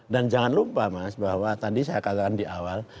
dan jangan lupa mas bahwa tadi saya katakan di awal